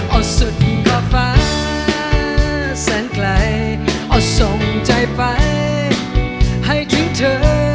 เอาสุดก่อฟ้าแสนไกลเอาทรงใจไปให้ทิ้งเธอ